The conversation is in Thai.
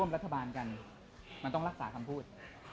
จะทำให้เราแต่แย่กัน